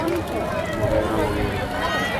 وغیرہ وغیرہ۔